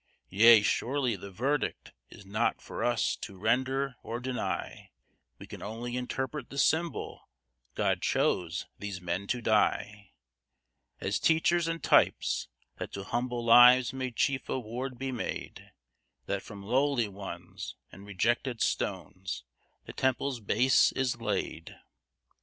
Yea, surely, the verdict is not for us, to render or deny; We can only interpret the symbol; God chose these men to die As teachers and types, that to humble lives may chief award be made; That from lowly ones, and rejected stones, the temple's base is laid!